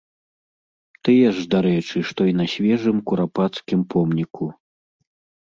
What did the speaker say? Тыя ж, дарэчы, што і на свежым курапацкім помніку.